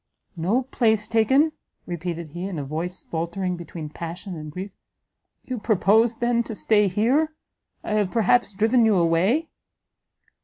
"No place taken!" repeated he, in a voice faultering between passion and grief; "you purposed, then, to stay here? I have perhaps driven you away?"